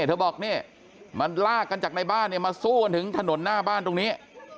เธอบอกนี่มันลากกันจากในบ้านมาสู้กันถึงถนนหน้าบ้านตรงนี้